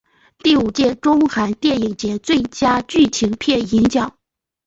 第五届中韩电影节最佳剧情片银奖。